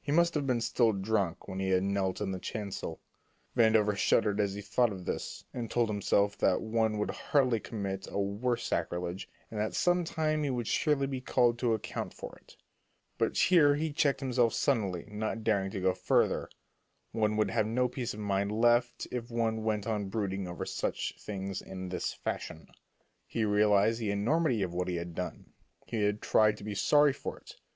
He must have been still drunk when he had knelt in the chancel. Vandover shuddered as he thought of this, and told himself that one could hardly commit a worse sacrilege, and that some time he would surely be called to account for it. But here he checked himself suddenly, not daring to go further. One would have no peace of mind left if one went on brooding over such things in this fashion. He realized the enormity of what he had done. He had tried to be sorry for it.